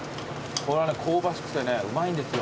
これはね香ばしくてねうまいんですよ。